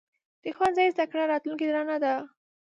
د ښوونځي زده کړه راتلونکې رڼا ده.